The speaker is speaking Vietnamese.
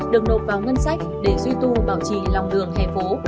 được nộp vào ngân sách để duy tu bảo trì lòng đường hè phố